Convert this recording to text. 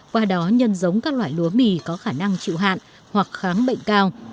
qua đó nhân giống các loại lúa mì có khả năng chịu hạn hoặc khám bệnh cao